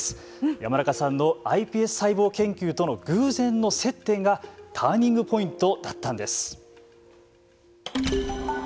山中さんのｉＰＳ細胞研究との偶然の接点がターニングポイントだったんです。